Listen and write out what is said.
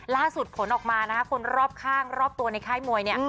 ผลออกมานะคะคนรอบข้างรอบตัวในค่ายมวยเนี่ย